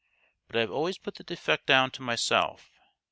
But I have always put the defect down to myself.